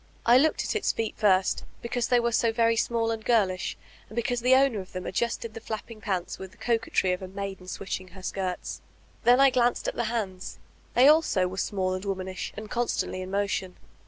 I looked at its feet first, because they were so very small and girlish, and because the owner of them adjusted the flapping pants with the coquetry of a maiden switdi* ing her skirts. Then I glanced at the hands: they also were small and womanish, and constantly in motion.